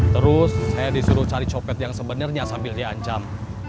terus saya disuruh cari copet yang sebenarnya sambil diancam